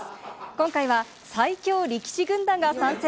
今回は最強力士軍団が参戦。